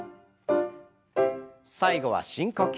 最後は深呼吸。